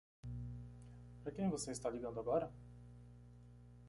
Para quem você está ligando agora?